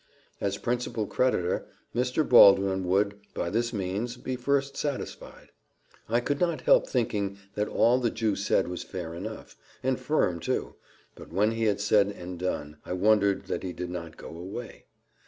As principal creditor, Mr. Baldwin would, by this means, be first satisfied. I could not help thinking that all the Jew said was fair enough, and firm too; but when he had said and done, I wondered that he did not go away.